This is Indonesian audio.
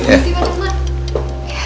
permisi pak juman